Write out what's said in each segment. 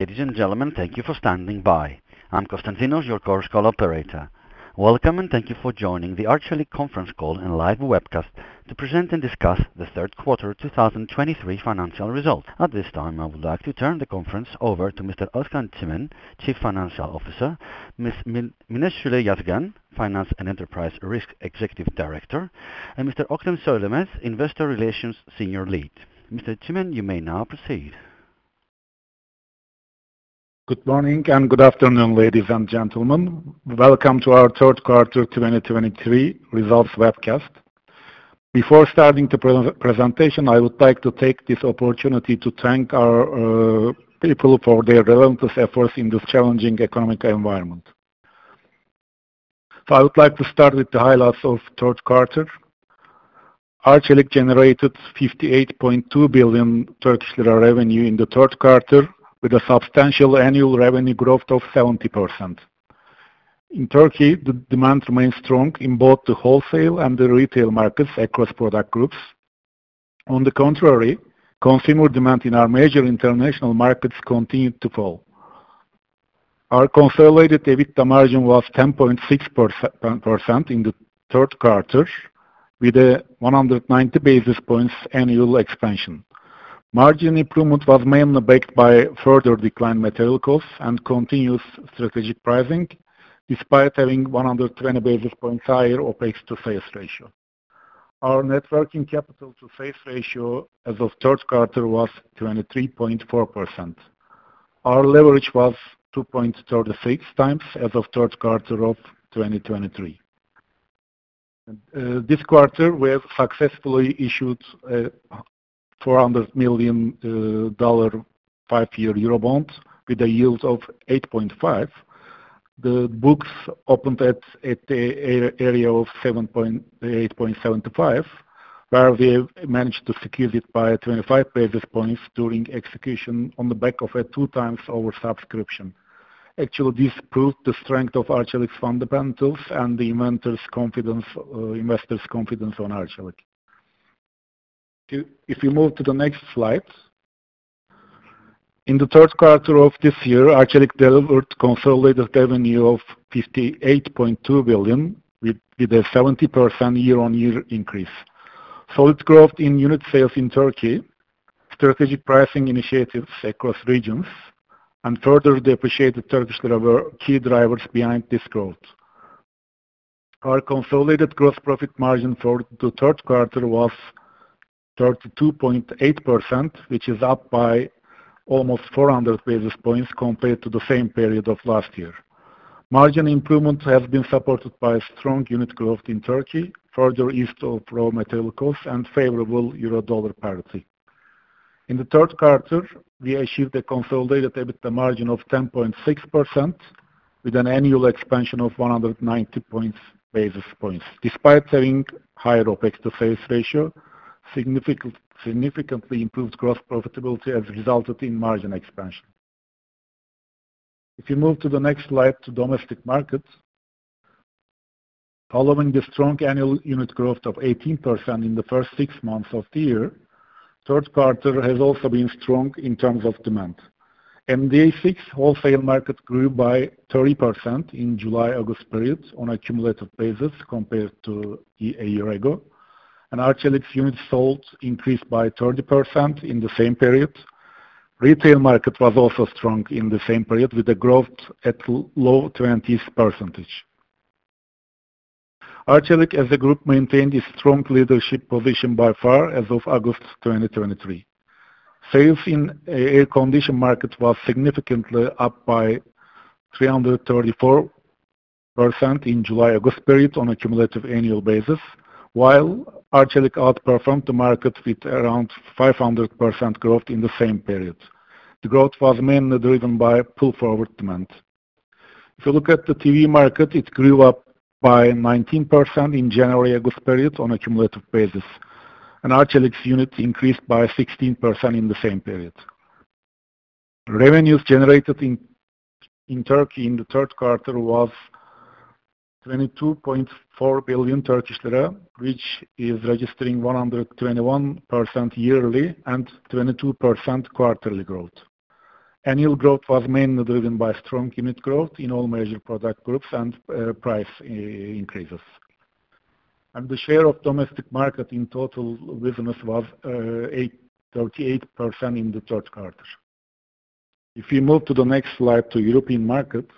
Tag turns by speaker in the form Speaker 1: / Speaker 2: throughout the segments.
Speaker 1: Ladies and gentlemen, thank you for standing by. I'm Konstantinos, your conference call operator. Welcome, and thank you for joining the Arçelik conference call and live webcast to present and discuss the third quarter 2023 financial results. At this time, I would like to turn the conference over to Mr. Özkan Çimen, Chief Financial Officer, Ms. Mine Şule Yazgan, Finance and Enterprise Risk Executive Director, and Mr. Öktem Söylemez, Investor Relations Senior Lead. Mr. Çimen, you may now proceed.
Speaker 2: Good morning and good afternoon, ladies and gentlemen. Welcome to our third quarter 2023 results webcast. Before starting the presentation, I would like to take this opportunity to thank our people for their relentless efforts in this challenging economic environment. I would like to start with the highlights of third quarter. Arçelik generated 58.2 billion Turkish lira revenue in the third quarter, with a substantial annual revenue growth of 70%. In Turkey, the demand remained strong in both the wholesale and the retail markets across product groups. On the contrary, consumer demand in our major international markets continued to fall. Our consolidated EBITDA margin was 10.6% in the third quarter, with a 190 basis points annual expansion. Margin improvement was mainly backed by further declined material costs and continuous strategic pricing, despite having 120 basis points higher OpEx to sales ratio. Our net working capital to sales ratio as of third quarter was 23.4%. Our leverage was 2.36x as of third quarter of 2023. This quarter, we have successfully issued $400 million five-year Eurobond with a yield of 8.5%. The books opened at an area of 8.75%, where we managed to secure it by 25 basis points during execution on the back of a 2x oversubscription. Actually, this proved the strength of Arçelik's fundamentals and the investors' confidence on Arçelik. If you move to the next slide. In the third quarter of this year, Arçelik delivered consolidated revenue of 58.2 billion with a 70% year-on-year increase. Solid growth in unit sales in Turkey, strategic pricing initiatives across regions, and further appreciated Turkish lira were key drivers behind this growth. Our consolidated gross profit margin for the third quarter was 32.8%, which is up by almost 400 basis points compared to the same period of last year. Margin improvement has been supported by strong unit growth in Turkey, further easing raw material costs, and favorable euro-dollar parity. In the third quarter, we achieved a consolidated EBITDA margin of 10.6% with an annual expansion of 190 basis points. Despite having higher OpEx to sales ratio, significantly improved gross profitability has resulted in margin expansion. If you move to the next slide, to domestic markets. Following the strong annual unit growth of 18% in the first six months of the year, third quarter has also been strong in terms of demand. MDA-6 wholesale market grew by 30% in July-August period on a cumulative basis compared to a year ago, and Arçelik's units sold increased by 30% in the same period. Retail market was also strong in the same period, with a growth at low 20s percentage. Arçelik as a group, maintained a strong leadership position by far as of August 2023. Sales in air-conditioner market was significantly up by 334% in July-August period on a cumulative annual basis, while Arçelik outperformed the market with around 500% growth in the same period. The growth was mainly driven by pull-forward demand. If you look at the TV market, it grew by 19% in January-August period on a cumulative basis, and Arçelik's units increased by 16% in the same period. Revenues generated in Turkey in the third quarter was 22.4 billion Turkish lira, which is registering 121% yearly and 22% quarterly growth. Annual growth was mainly driven by strong unit growth in all major product groups and price increases. The share of domestic market in total business was 38% in the third quarter. If you move to the next slide to European market.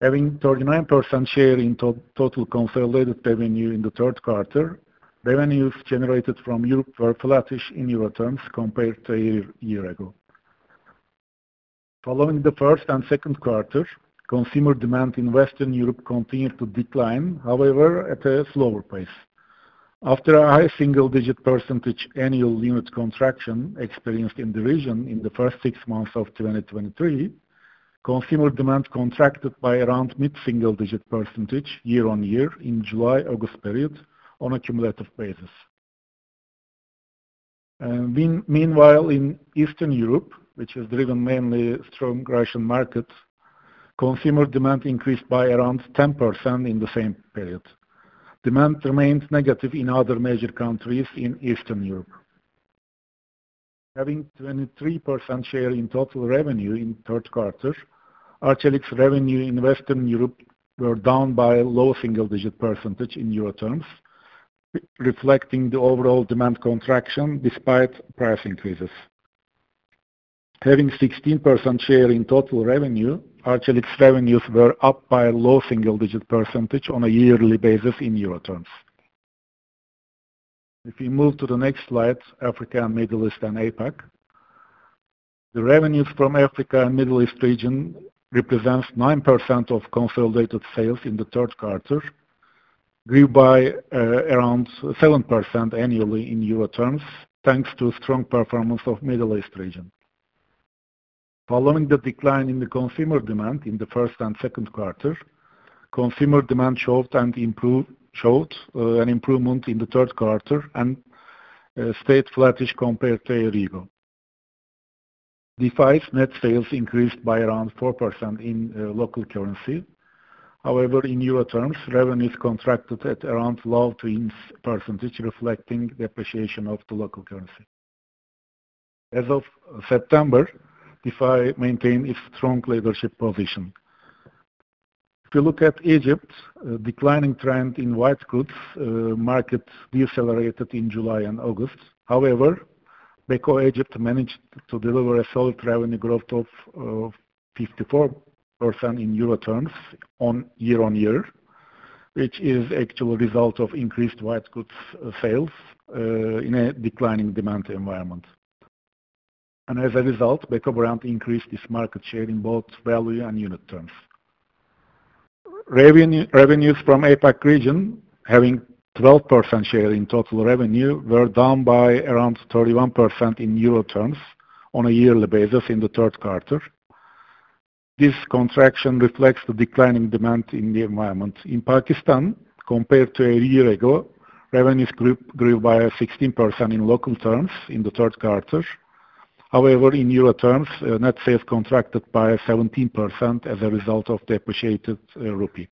Speaker 2: Having 39% share in total consolidated revenue in the third quarter, revenues generated from Europe were flattish in euro terms compared to a year ago. Following the first and second quarter, consumer demand in Western Europe continued to decline, however, at a slower pace. After a high single-digit % annual unit contraction experienced in the region in the first six months of 2023, consumer demand contracted by around mid-single-digit % year-over-year in July-August period on a cumulative basis. Meanwhile, in Eastern Europe, which is driven mainly strong Russian market, consumer demand increased by around 10% in the same period. Demand remained negative in other major countries in Eastern Europe. Having 23% share in total revenue in third quarter, Arçelik's revenue in Western Europe were down by a low single-digit % in euro terms, reflecting the overall demand contraction despite price increases. Having 16% share in total revenue, Arçelik's revenues were up by a low single-digit % on a yearly basis in euro terms. If we move to the next slide, Africa and Middle East and APAC. The revenues from Africa and Middle East region represents 9% of consolidated sales in the third quarter, grew by around 7% annually in euro terms, thanks to strong performance of Middle East region. Following the decline in the consumer demand in the first and second quarter, consumer demand showed an improvement in the third quarter and stayed flattish compared to a year ago. Defy's net sales increased by around 4% in local currency. However, in euro terms, revenues contracted at around low-teens %, reflecting the appreciation of the local currency. As of September, Defy maintained its strong leadership position. If you look at Egypt, declining trend in white goods market decelerated in July and August. However, Beko Egypt managed to deliver a solid revenue growth of 54% in euro terms on year-on-year, which is actual result of increased white goods sales in a declining demand environment. As a result, Beko brand increased its market share in both value and unit terms. Revenues from APAC region, having 12% share in total revenue, were down by around 31% in euro terms on a yearly basis in the third quarter. This contraction reflects the declining demand in the environment. In Pakistan, compared to a year ago, revenues grew by 16% in local terms in the third quarter. However, in euro terms, net sales contracted by 17% as a result of depreciated rupee.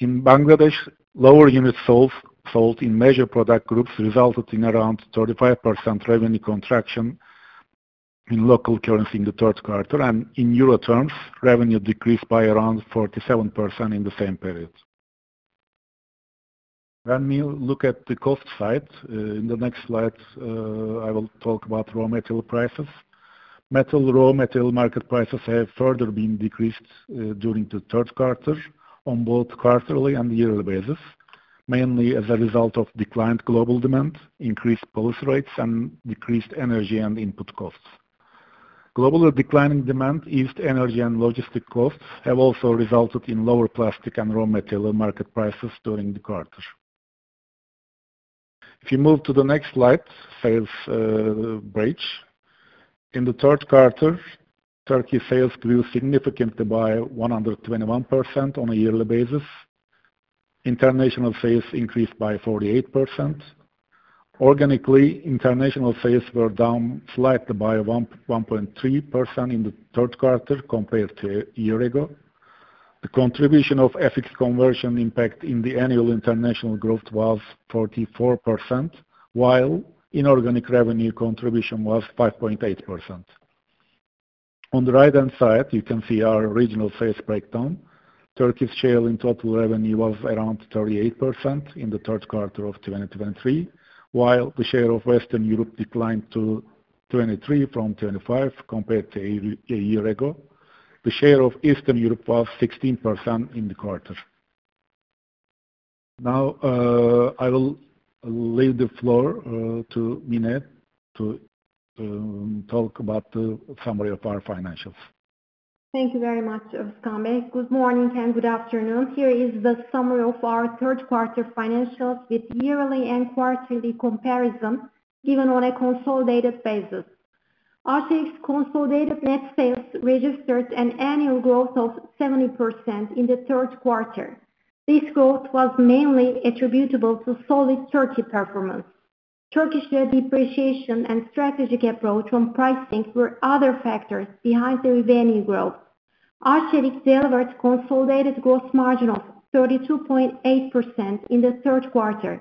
Speaker 2: In Bangladesh, lower units sold in major product groups resulted in around 35% revenue contraction in local currency in the third quarter, and in euro terms, revenue decreased by around 47% in the same period. When we look at the cost side in the next slide, I will talk about raw material prices. Metal raw material market prices have further been decreased during the third quarter on both quarterly and yearly basis, mainly as a result of declining global demand, increased policy rates, and decreased energy and input costs. Global declining demand, eased energy and logistic costs have also resulted in lower plastic and raw material market prices during the quarter. If you move to the next slide, sales bridge. In the third quarter, Turkey sales grew significantly by 121% on a yearly basis. International sales increased by 48%. Organically, international sales were down slightly by 1.3% in the third quarter compared to a year ago. The contribution of FX conversion impact in the annual international growth was 44%, while inorganic revenue contribution was 5.8%. On the right-hand side, you can see our regional sales breakdown. Turkey's share in total revenue was around 38% in the third quarter of 2023, while the share of Western Europe declined to 23 from 25 compared to a year ago. The share of Eastern Europe was 16% in the quarter. Now I will leave the floor to Mine to talk about the summary of our financials.
Speaker 3: Thank you very much, Özkan Bey. Good morning and good afternoon. Here is the summary of our third quarter financials with yearly and quarterly comparison given on a consolidated basis. Arçelik's consolidated net sales registered an annual growth of 70% in the third quarter. This growth was mainly attributable to solid Turkey performance. Turkish lira depreciation and strategic approach on pricing were other factors behind the revenue growth. Arçelik delivered consolidated gross margin of 32.8% in the third quarter.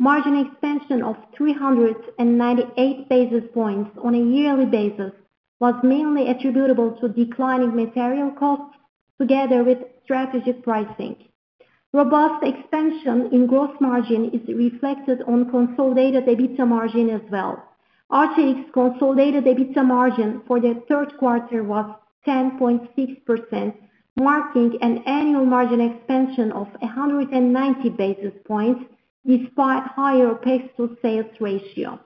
Speaker 3: Margin expansion of 398 basis points on a yearly basis was mainly attributable to declining material costs together with strategic pricing. Robust expansion in gross margin is reflected on consolidated EBITDA margin as well. Arçelik's consolidated EBITDA margin for the third quarter was 10.6%, marking an annual margin expansion of 190 basis points, despite higher OpEx-to-sales ratio.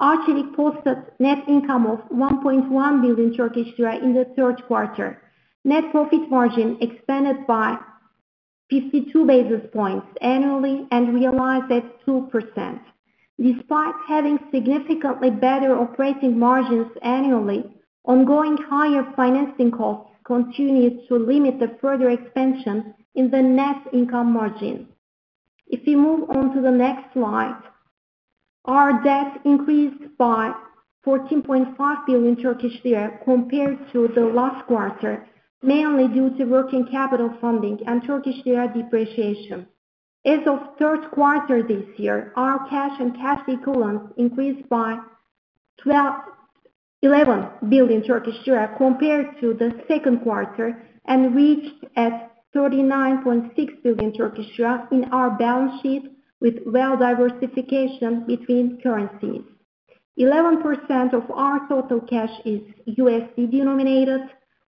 Speaker 3: Arçelik posted net income of 1.1 billion Turkish lira in the third quarter. Net profit margin expanded by 52 basis points annually and realized at 2%. Despite having significantly better operating margins annually, ongoing higher financing costs continued to limit the further expansion in the net income margin. If you move on to the next slide, our debt increased by 14.5 billion Turkish lira compared to the last quarter, mainly due to working capital funding and Turkish lira depreciation. As of third quarter this year, our cash and cash equivalents increased by 11 billion Turkish lira compared to the second quarter and reached at 39.6 billion Turkish lira in our balance sheet, with well diversification between currencies. 11% of our total cash is USD denominated,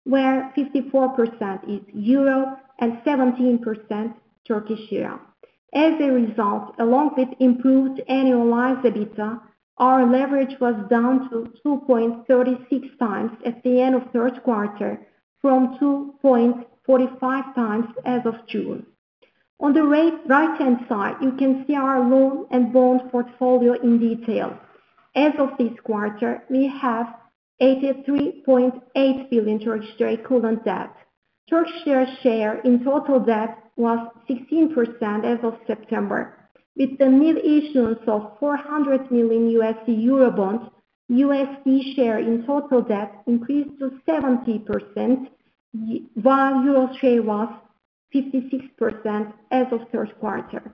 Speaker 3: where 54% is euro, and 17% Turkish lira. As a result, along with improved annualized EBITDA, our leverage was down to 2.36x at the end of third quarter, from 2.45 times as of June. On the right, right-hand side, you can see our loan and bond portfolio in detail. As of this quarter, we have 83.8 billion equivalent debt. Turkish lira share in total debt was 16% as of September. With the new issuance of $400 million eurobond, U.S. dollar share in total debt increased to 70%, while euro share was 56% as of third quarter.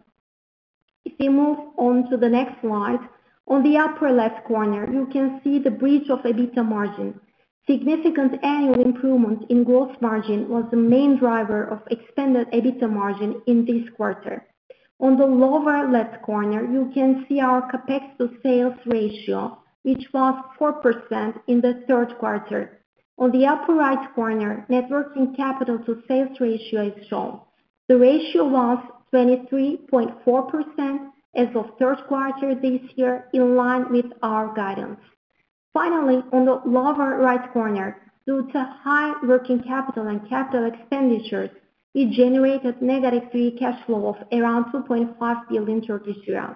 Speaker 3: If we move on to the next slide, on the upper left corner, you can see the bridge of EBITDA margin. Significant annual improvement in gross margin was the main driver of expanded EBITDA margin in this quarter. On the lower left corner, you can see our CapEx to sales ratio, which was 4% in the third quarter. On the upper right corner, net working capital to sales ratio is shown. The ratio was 23.4% as of third quarter this year, in line with our guidance. Finally, on the lower right corner, due to high working capital and capital expenditures, we generated negative free cash flow of around TRY 2.5 billion.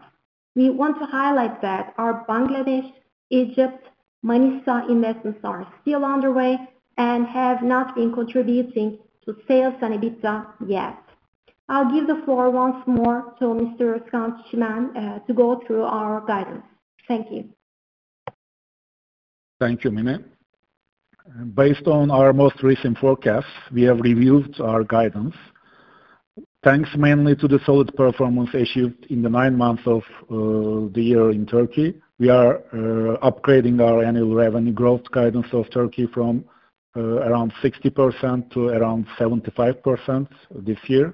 Speaker 3: We want to highlight that our Bangladesh, Egypt, Manisa investments are still underway and have not been contributing to sales and EBITDA yet. I'll give the floor once more to Mr. Özkan Çimen to go through our guidance. Thank you.
Speaker 2: Thank you, Mine. Based on our most recent forecast, we have reviewed our guidance. Thanks mainly to the solid performance achieved in the nine months of the year in Turkey, we are upgrading our annual revenue growth guidance of Turkey from around 60% to around 75% this year.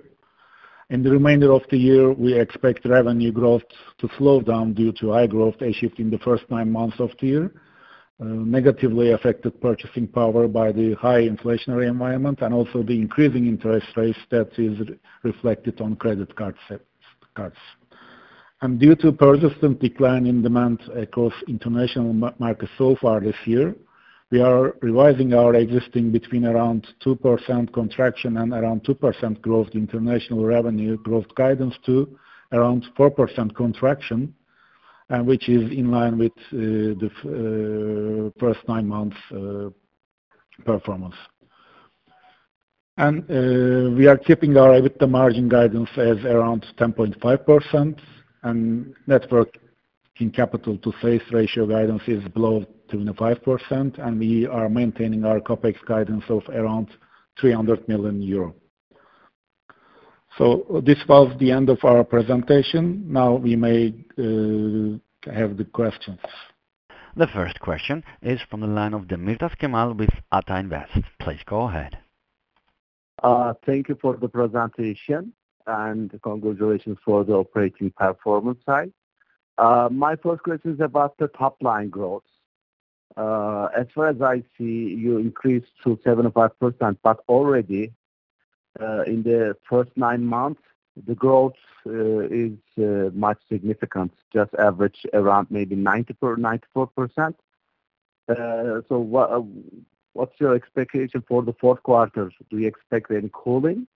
Speaker 2: In the remainder of the year, we expect revenue growth to slow down due to high growth achieved in the first nine months of the year, negatively affected purchasing power by the high inflationary environment, and also the increasing interest rates that is reflected on credit cards. Due to persistent decline in demand across international markets so far this year, we are revising our existing between around 2% contraction and around 2% growth international revenue growth guidance to around 4% contraction, which is in line with the first nine months performance. We are keeping our EBITDA margin guidance as around 10.5%, and net working capital to sales ratio guidance is below 25%, and we are maintaining our CapEx guidance of around 300 million euro. This was the end of our presentation. Now we may have the questions.
Speaker 1: The first question is from the line of Cemal Demirtaş with Ata Invest. Please go ahead.
Speaker 4: Thank you for the presentation, and congratulations for the operating performance side. My first question is about the top line growth. As far as I see, you increased to 75%, but already in the first nine months, the growth is much significant, just average around maybe 94%. What's your expectation for the fourth quarter? Do you expect any cooling?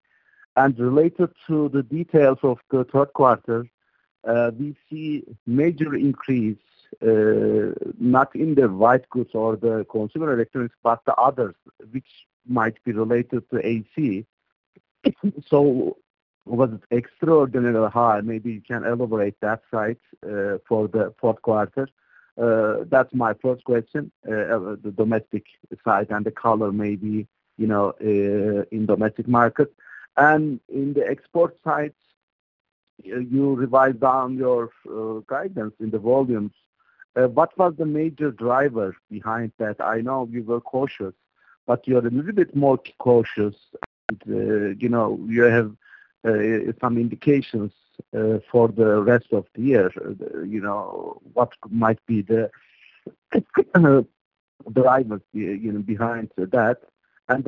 Speaker 4: Related to the details of the third quarter, we see major increase, not in the white goods or the consumer electronics, but the others, which might be related to A.C. Was it extraordinarily high? Maybe you can elaborate that side for the fourth quarter. That's my first question, the domestic side and the color maybe, you know, in domestic market. * Wait, "rest of the year". * Standard. * Wait,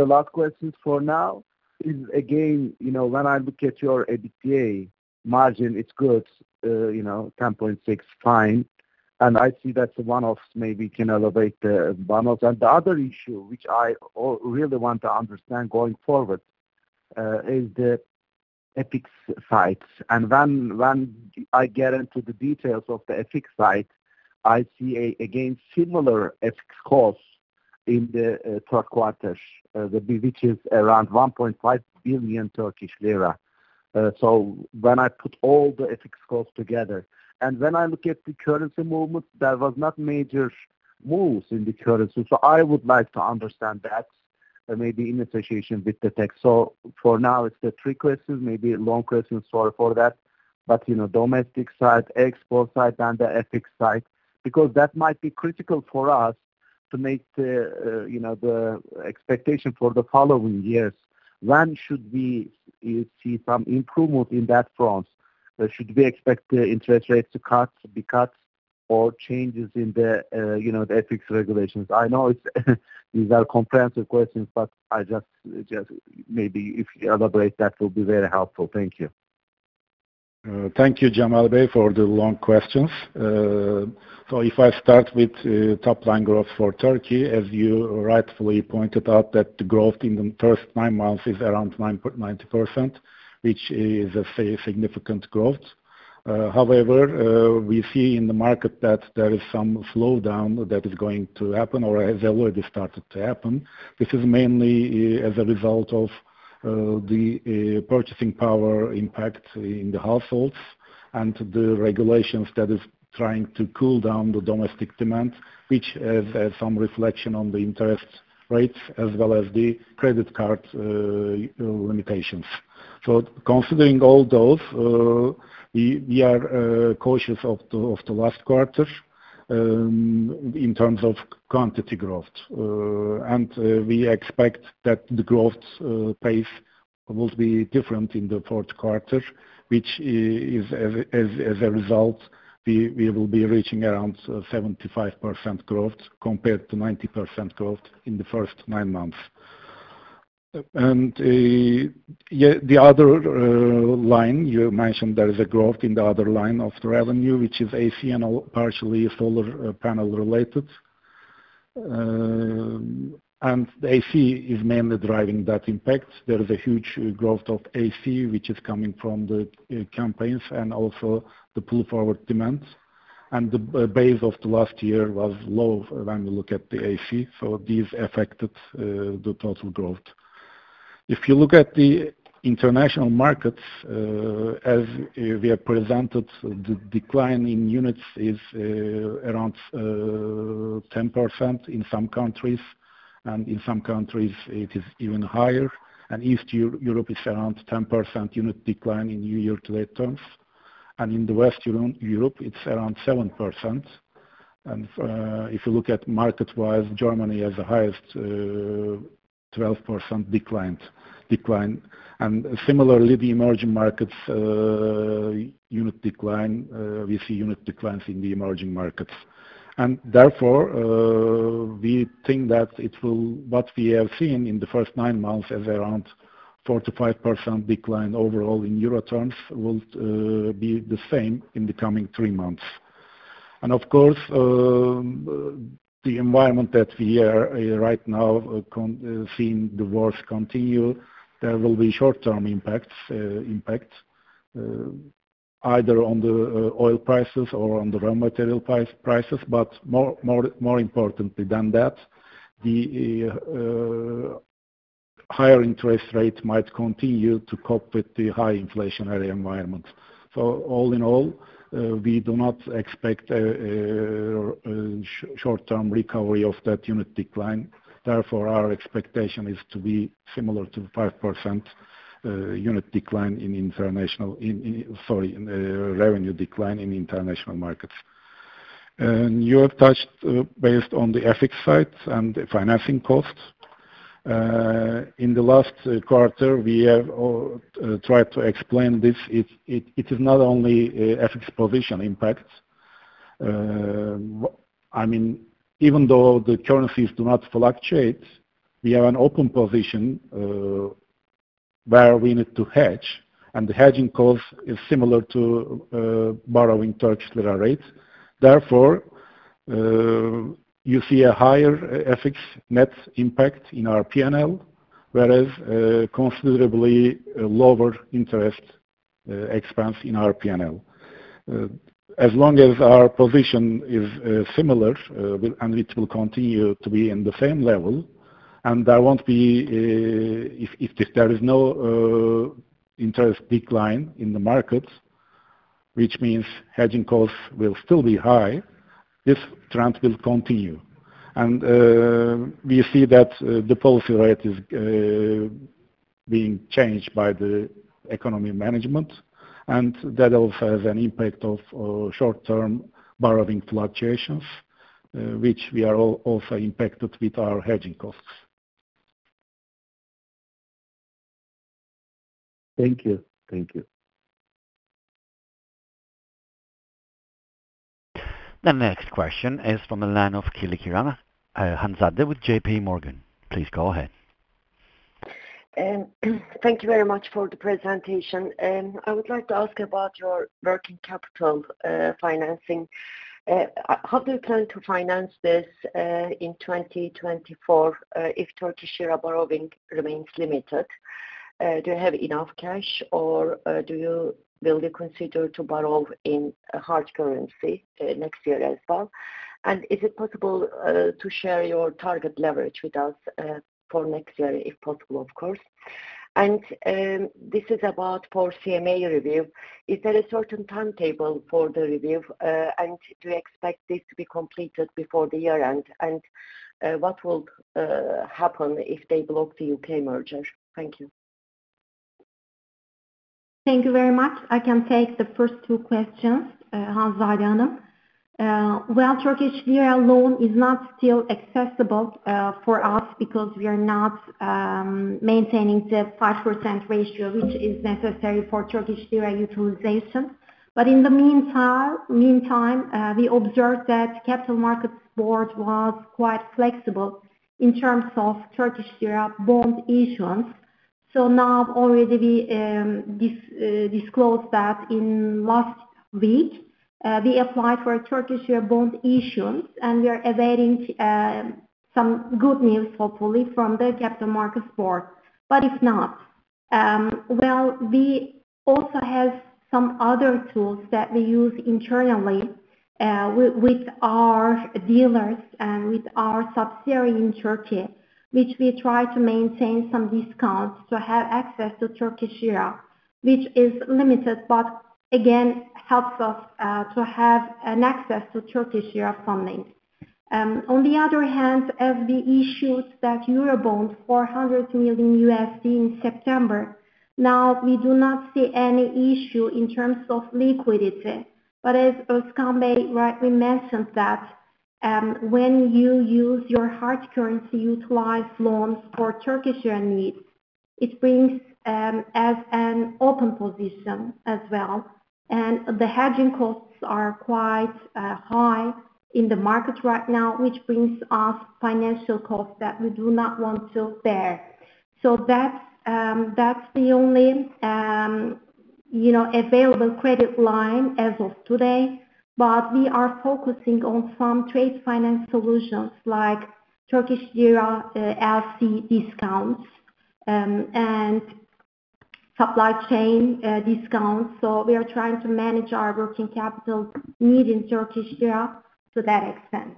Speaker 4: "last question". * Standard. * Wait, "details". * Standard. * Wait, "forward". * Standard. * Wait, "understand". * Standard. * Wait, "elevate". * Standard. * Wait, "fine". * Standard. * Wai I see, again, similar FX costs in the third quarter, which is around 1.5 billion Turkish lira. When I put all the FX costs together, and when I look at the currency movement, there was not major moves in the currency. I would like to understand that, maybe in association with the hedge. For now, it's the three questions, maybe long questions, sorry for that. You know, domestic side, export side, and the FX side, because that might be critical for us to make the, you know, the expectation for the following years. When should we see some improvement in that front? Should we expect the interest rates to cut, be cut, or changes in the, you know, the FX regulations? I know these are comprehensive questions, but just maybe if you elaborate, that will be very helpful. Thank you.
Speaker 2: Thank you, Cemal Bey, for the long questions. If I start with top-line growth for Turkey, as you rightfully pointed out, that the growth in the first nine months is around 9.90%, which is a significant growth. However, we see in the market that there is some slowdown that is going to happen or has already started to happen. This is mainly as a result of the purchasing power impact in the households and the regulations that is trying to cool down the domestic demand, which has some reflection on the interest rates as well as the credit card limitations. Considering all those, we are cautious of the last quarter in terms of quantity growth. We expect that the growth pace will be different in the fourth quarter, which is as a result, we will be reaching around 75% growth compared to 90% growth in the first nine months. Yeah, the other line you mentioned, there is a growth in the other line of the revenue, which is A.C. and partially solar panel-related. The A.C. is mainly driving that impact. There is a huge growth of A.C., which is coming from the campaigns and also the pull-forward demands. The base of the last year was low when we look at the A.C., so these affected the total growth. If you look at the international markets, as we have presented, the decline in units is around 10% in some countries, and in some countries it is even higher. East Europe is around 10% unit decline in unit euro terms, and in the West Europe, it's around 7%. If you look at market-wise, Germany has the highest 12% decline. Similarly, the emerging markets unit decline, we see unit declines in the emerging markets. Therefore, we think that it will... What we have seen in the first nine months is around 4%-5% decline overall in euro terms, will be the same in the coming three months. Of course, the environment that we are right now seeing the wars continue, there will be short-term impacts, impact either on the oil prices or on the raw material prices. More, more, more importantly than that, the higher interest rate might continue to cope with the high inflationary environment. All in all, we do not expect a short-term recovery of that unit decline. Therefore, our expectation is to be similar to 5% unit decline in international... Sorry, in revenue decline in international markets. You have touched based on the FX. side and the financing costs. In the last quarter, we have tried to explain this. It is not only a FX position impact. I mean, even though the currencies do not fluctuate, we have an open position where we need to hedge, and the hedging cost is similar to borrowing Turkish lira rate. Therefore, you see a higher FX net impact in our P&L, whereas considerably a lower interest expense in our P&L As long as our position is similar and it will continue to be in the same level, and there won't be, if there is no interest decline in the market, which means hedging costs will still be high, this trend will continue. We see that the policy rate is being changed by the economy management, and that also has an impact of short-term borrowing fluctuations, which we are also impacted with our hedging costs.
Speaker 4: Thank you. Thank you.
Speaker 1: The next question is from the line of Kılıçkıran, Hanzade with JPMorgan. Please go ahead.
Speaker 5: Thank you very much for the presentation. I would like to ask about your working capital financing. How do you plan to finance this in 2024 if Turkish lira borrowing remains limited? Do you have enough cash or will you consider to borrow in a hard currency next year as well? Is it possible to share your target leverage with us for next year, if possible, of course? This is about for CMA review. Is there a certain timetable for the review, and do you expect this to be completed before the year-end? What will happen if they block the U.K. merger? Thank you.
Speaker 3: Thank you very much. I can take the first two questions, Hanzade. Well, Turkish lira loan is not still accessible for us because we are not maintaining the 5% ratio, which is necessary for Turkish lira utilization. In the meantime, meantime, we observed that Capital Markets Board was quite flexible in terms of Turkish lira bond issuance. Now already we disclose that in last week, we applied for a Turkish lira bond issuance, and we are awaiting some good news, hopefully, from the Capital Markets Board. If not, well, we also have some other tools that we use internally with our dealers and with our subsidiary in Turkey, which we try to maintain some discounts to have access to Turkish lira, which is limited, but again, helps us to have an access to Turkish lira funding. On the other hand, as we issued that Eurobond, $400 million in September, now we do not see any issue in terms of liquidity. As Özkan Bey rightly mentioned that when you use your hard currency utilized loans for Turkish lira needs, it brings as an open position as well, and the hedging costs are quite high in the market right now, which brings us financial costs that we do not want to bear. That's the only, you know, available credit line as of today. We are focusing on some trade finance solutions like Turkish lira LC discounts and supply chain discounts. We are trying to manage our working capital need in Turkish lira to that extent.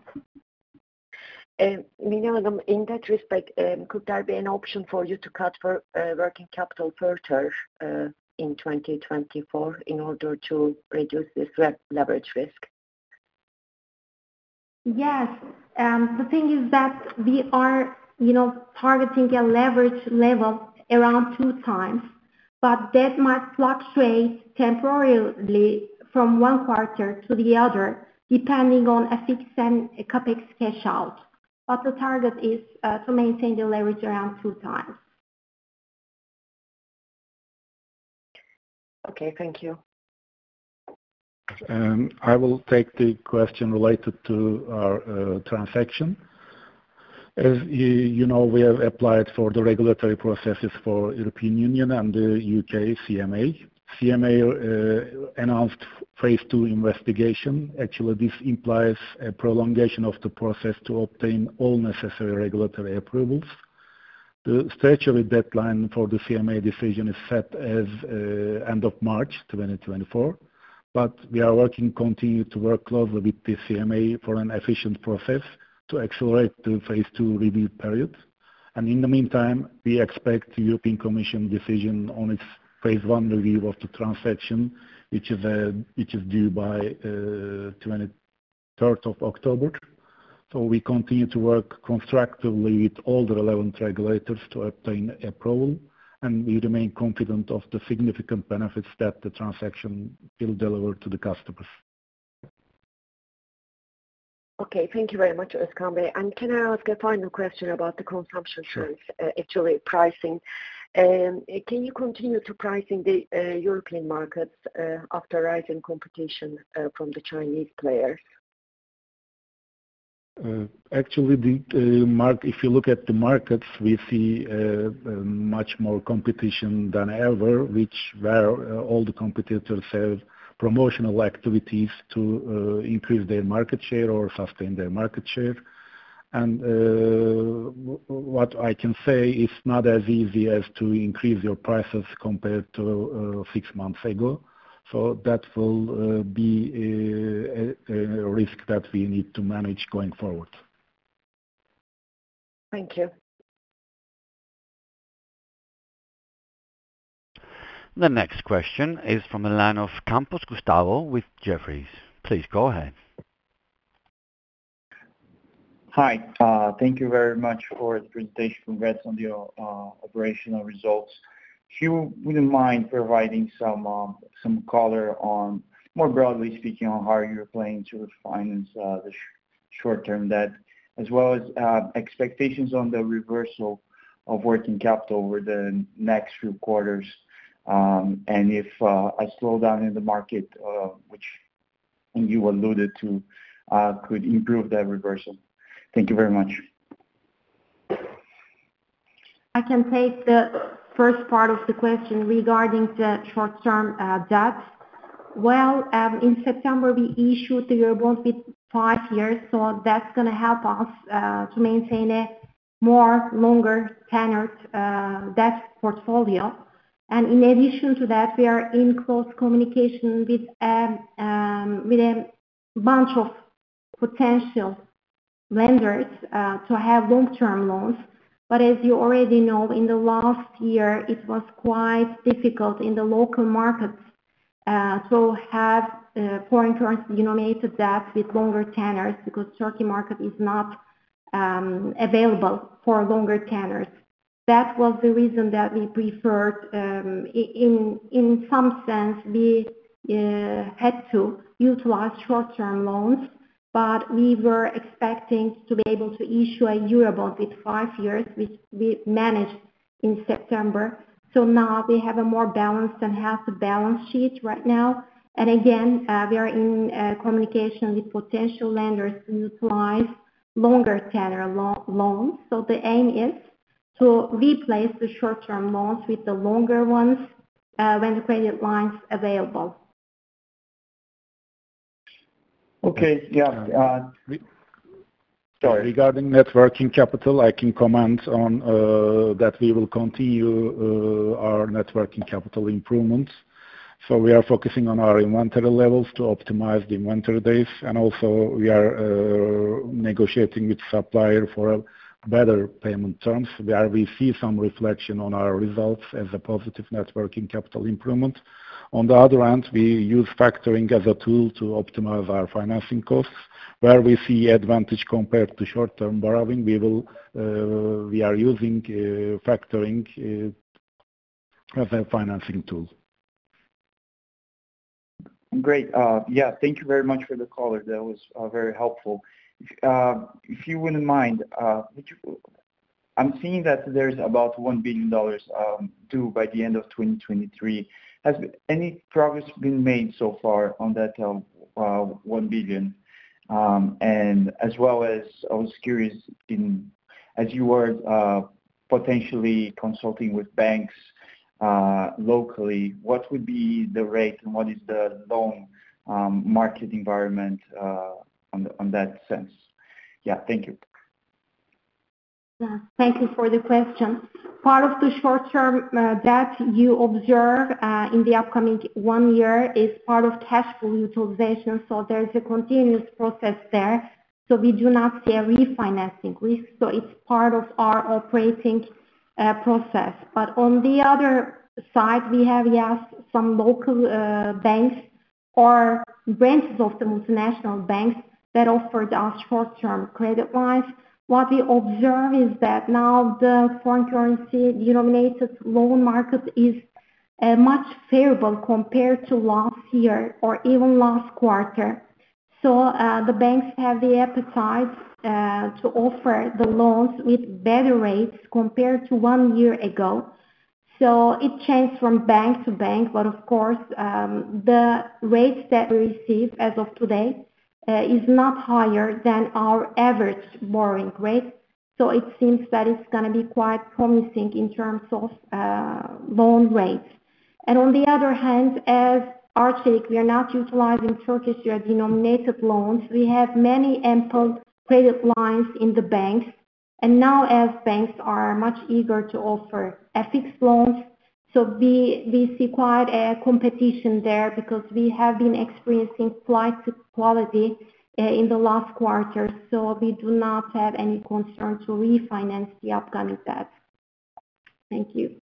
Speaker 5: Mine Hanım, in that respect, could there be an option for you to cut for working capital further in 2024 in order to reduce this leverage risk?
Speaker 3: Yes. The thing is that we are, you know, targeting a leverage level around 2x, but that might fluctuate temporarily from one quarter to the other, depending on a fixed and CapEx cash out. The target is to maintain the leverage around 2x.
Speaker 5: Okay, thank you.
Speaker 2: *Wait, "twenty-third":* "23rd". *Wait, "twenty twenty-four":* "2024". *Wait, "U.K.":* "U.K." *Wait, "CMA":* "CMA". *Wait, "phase two":* "phase two". *Wait, "phase one":* "phase one". *Wait, "European Union":* "European Union". *Wait, "European Commission":* "European Commission". *Wait, "March":* "March". *Wait, "October":* "October". *Wait, "transaction":* "transaction". *Wait, "regulatory approvals":*
Speaker 5: Okay, thank you very much, Özkan Bey. Can I ask a final question about the consumption trends?
Speaker 2: Sure.
Speaker 5: Actually, pricing. Can you continue to pricing the European markets after rising competition from the Chinese players?
Speaker 2: Actually, if you look at the markets, we see much more competition than ever, where all the competitors have promotional activities to increase their market share or sustain their market share. What I can say, it's not as easy as to increase your prices compared to six months ago. So that will be a risk that we need to manage going forward.
Speaker 5: Thank you.
Speaker 1: The next question is from the line of Campos Gustavo with Jefferies. Please go ahead.
Speaker 6: Hi, thank you very much for the presentation. Congrats on your operational results. If you wouldn't mind providing some color on, more broadly speaking, on how you're planning to refinance the short-term debt, as well as expectations on the reversal of working capital over the next few quarters, and if a slowdown in the market, which you alluded to, could improve that reversal. Thank you very much.
Speaker 3: I can take the first part of the question regarding the short-term debt. Well, in September, we issued the Eurobond with five years, so that's gonna help us to maintain a more longer tenured debt portfolio. In addition to that, we are in close communication with a bunch of potential lenders to have long-term loans. As you already know, in the last year, it was quite difficult in the local markets to have foreign currency denominated debt with longer tenures, because Turkey market is not available for longer tenures. That was the reason that we preferred, in some sense, we had to utilize short-term loans, but we were expecting to be able to issue a Eurobond with five years, which we managed in September. is a word. *Wait, "Again, we are in communication with potential lenders to utilize longer tenor loans."* Wait, "tenor" is a word. *Wait, "The aim is to replace the short-term loans with the longer ones when the credit line is available."* Wait, "short-term" is a word. *Wait, "Now we have a more balanced and healthy
Speaker 6: Okay. Yeah, sorry.
Speaker 2: Regarding net working capital, I can comment on that we will continue our net working capital improvements. We are focusing on our inventory levels to optimize the inventory days, and also we are negotiating with supplier for a better payment terms, where we see some reflection on our results as a positive net working capital improvement. On the other hand, we use factoring as a tool to optimize our financing costs. Where we see advantage compared to short-term borrowing, we are using factoring as a financing tool.
Speaker 6: Great. Yeah, thank you very much for the color. That was very helpful. If you wouldn't mind, I'm seeing that there's about $1 billion due by the end of 2023. Has any progress been made so far on that $1 billion? As well as I was curious, as you were potentially consulting with banks locally, what would be the rate and what is the loan market environment on that sense? Yeah. Thank you.
Speaker 3: Yeah. Thank you for the question. Part of the short-term debt you observe in the upcoming one year is part of cash flow utilization, so there is a continuous process there. We do not see a refinancing risk, so it's part of our operating process. On the other side, we have, yes, some local banks or branches of the multinational banks that offered us short-term credit lines. What we observe is that now the foreign currency denominated loan market is much favorable compared to last year or even last quarter. The banks have the appetite to offer the loans with better rates compared to one year ago. It changed from bank to bank, but of course, the rates that we receive as of today is not higher than our average borrowing rate, so it seems that it's gonna be quite promising in terms of loan rates. On the other hand, as Arçelik, we are not utilizing Turkish lira denominated loans. We have many ample credit lines in the banks, and now as banks are much eager to offer FX loans, so we see quite a competition there because we have been experiencing flight to quality in the last quarter. We do not have any concern to refinance the upcoming debt. Thank you.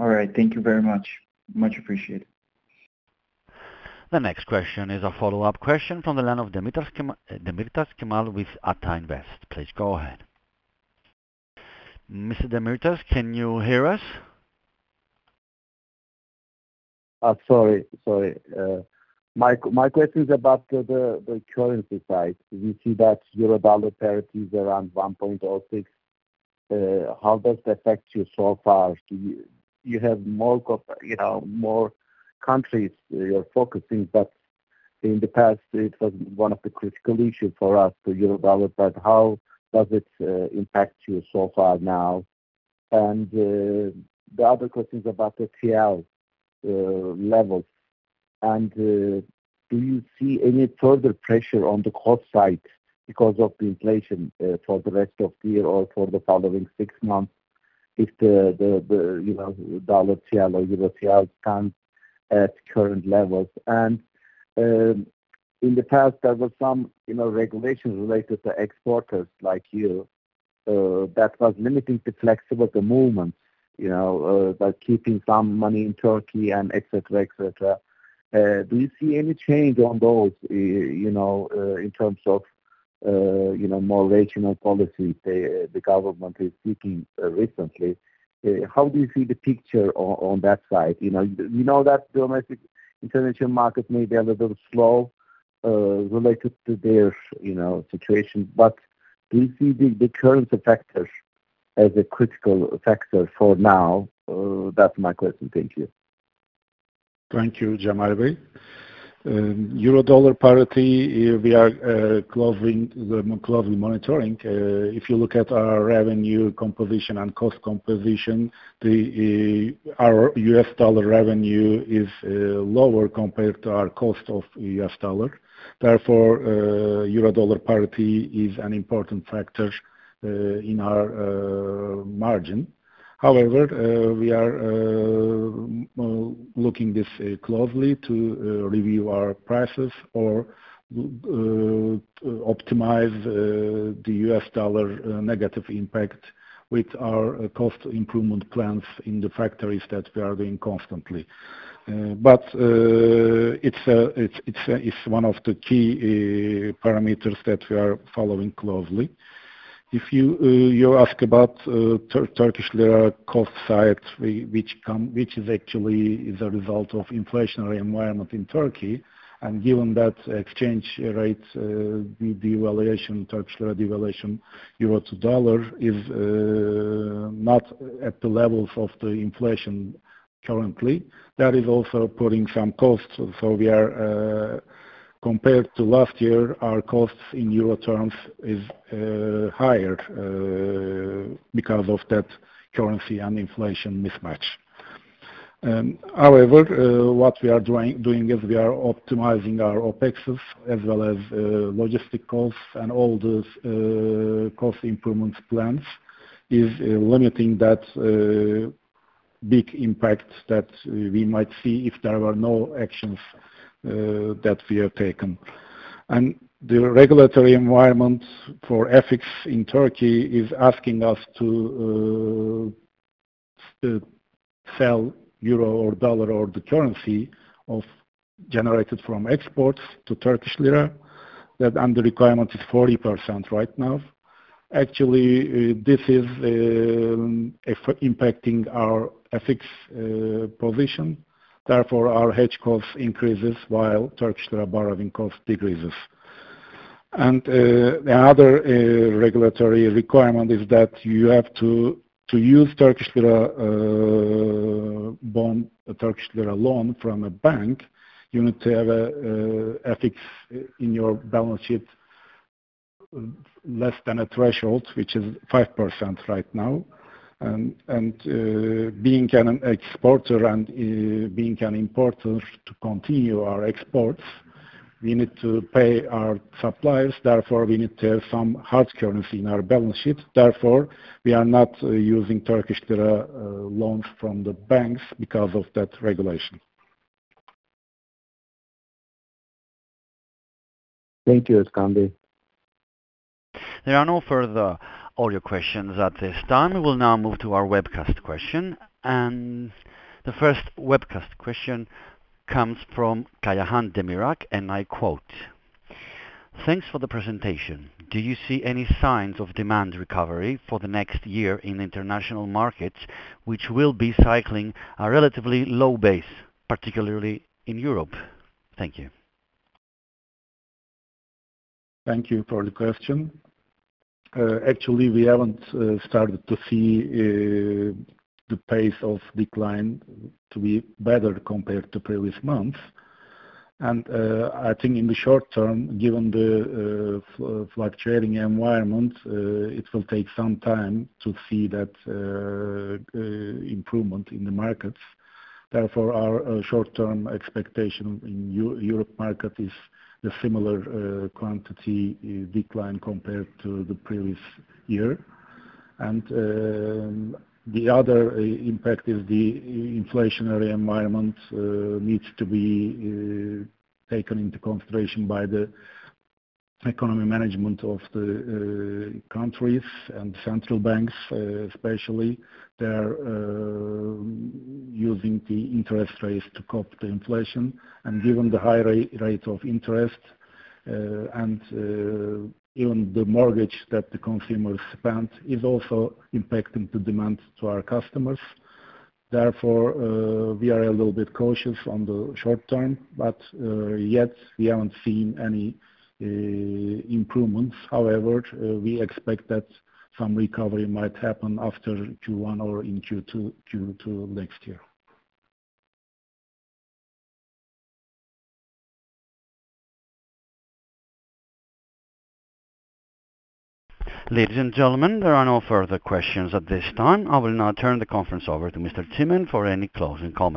Speaker 6: All right. Thank you very much. Much appreciated.
Speaker 1: The next question is a follow-up question from the line of Demirtaş, Demirtaş Cemal with Ata Invest. Please go ahead. Mr. Demirtaş, can you hear us?
Speaker 4: Sorry, sorry. My question is about the currency side. We see that euro-dollar parity is around 1.06. How does this affect you so far? Do you have more countries you're focusing, but in the past, it was one of the critical issue for us, the euro-dollar. How does it impact you so far now? The other question is about the TL levels. Do you see any further pressure on the cost side because of the inflation for the rest of the year or for the following six months if the, you know, dollar-TL or euro-TL stands at current levels? In the past, there was some, you know, regulations related to exporters like you that was limiting the flexibility of the movement, you know, by keeping some money in Turkey and et cetera, et cetera. Do you see any change on those, you know, in terms of, you know, more regional policy the government is seeking recently? How do you see the picture on that side? You know, we know that domestic international market may be a little bit slow related to their, you know, situation, but do you see the current factors as a critical factor for now? That's my question. Thank you.
Speaker 2: Thank you, Cemal Bey. Euro-dollar parity, we are closely monitoring. If you look at our revenue composition and cost composition, our U.S. dollar revenue is lower compared to our cost of U.S. dollar. Therefore, euro-dollar parity is an important factor in our margin. However, we are looking this closely to review our prices or optimize the U.S. dollar negative impact with our cost improvement plans in the factories that we are doing constantly. It's one of the key parameters that we are following closely. If you ask about Turkish lira cost side, which is actually is a result of inflationary environment in Turkey, and given that exchange rate, the devaluation, Turkish lira devaluation, euro to dollar is not at the levels of the inflation currently. That is also putting some costs. Compared to last year, our costs in euro terms is higher because of that currency and inflation mismatch. However, what we are doing is we are optimizing our OpExes, as well as logistic costs and all those cost improvement plans, is limiting that big impact that we might see if there were no actions that we have taken. The regulatory environment for FX in Turkey is asking us to sell euro or dollar or the currency of generated from exports to Turkish lira, that and the requirement is 40% right now. Actually, this is effectively impacting our FX position, therefore, our hedge cost increases while Turkish lira borrowing cost decreases. The other regulatory requirement is that you have to use Turkish lira bond, a Turkish lira loan from a bank, you need to have an FX in your balance sheet, less than a threshold, which is 5% right now. Being an exporter and being an importer, to continue our exports, we need to pay our suppliers, therefore, we need to have some hard currency in our balance sheet. Therefore, we are not using Turkish lira loans from the banks because of that regulation.
Speaker 4: Thank you, Özkan.
Speaker 1: There are no further audio questions at this time. We will now move to our webcast question. The first webcast question comes from Kayahan Demirak, and I quote: "Thanks for the presentation. Do you see any signs of demand recovery for the next year in international markets, which will be cycling a relatively low base, particularly in Europe? Thank you.
Speaker 2: Thank you for the question. Actually, we haven't started to see the pace of decline to be better compared to previous months. I think in the short term, given the fluctuating environment, it will take some time to see that improvement in the markets. Therefore, our short-term expectation in Europe market is the similar quantity decline compared to the previous year. The other impact is the inflationary environment needs to be taken into consideration by the economy management of the countries and central banks, especially. They're using the interest rates to cope with inflation and given the high rate of interest and even the mortgage that the consumers spend is also impacting the demand to our customers. Therefore, we are a little bit cautious on the short term, but yet we haven't seen any improvements. However, we expect that some recovery might happen after Q1 or in Q2 next year.
Speaker 1: Ladies and gentlemen, there are no further questions at this time. I will now turn the conference over to Mr. Çimen for any closing comments.